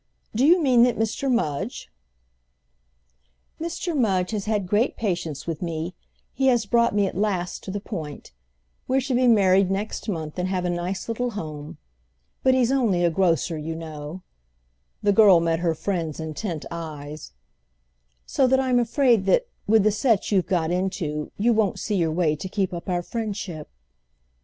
Do you mean that Mr. Mudge—?" "Mr. Mudge has had great patience with me—he has brought me at last to the point. We're to be married next month and have a nice little home. But he's only a grocer, you know"—the girl met her friend's intent eyes—"so that I'm afraid that, with the set you've got into, you won't see your way to keep up our friendship."